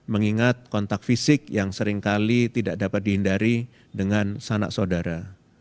mengingat kontak fisik yang seringkali tidak dapat dihindari dengan sanak saudara